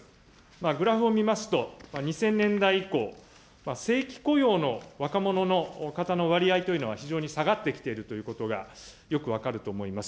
グラフを見ますと、２０００年代以降、正規雇用の若者の方の割合というのは、非常に下がってきているということがよく分かると思います。